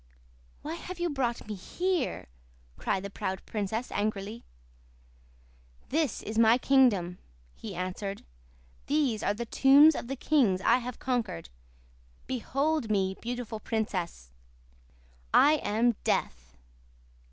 "'Why have you brought me here?' cried the proud princess angrily. "'This is my kingdom,' he answered. 'These are the tombs of the kings I have conquered. Behold me, beautiful princess. I am Death!